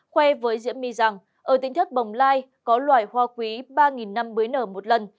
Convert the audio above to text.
khoe với diễm my rằng ở tỉnh thất bồng lai có loài hoa quý ba năm mới nở một lần